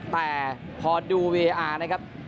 แต่พอดูวีอาร์นะครับ